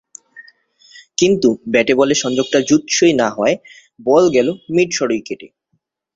কিন্তু ব্যাটে–বলে সংযোগটা জুতসই না হওয়ায় বল গেল শর্ট মিড উইকেটে।